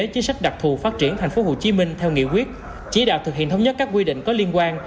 chính sách đặc thù phát triển tp hcm theo nghị quyết chỉ đạo thực hiện thống nhất các quy định có liên quan